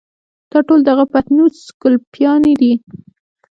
دا ټول د هغه پټنوس ګلپيانې دي.